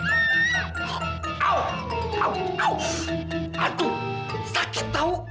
aduh sakit tau